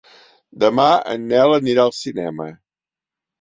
Demà en Nel anirà al cinema.